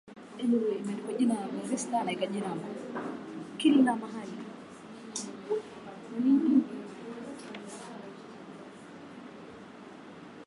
Kumbe wewe pia uko nje